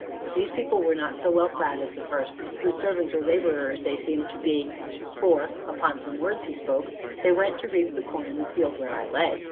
These people were not so well clad as the first, whose servants or laborers they seemed to be; for, upon some words he spoke, they went to reap the corn in the field where I lay.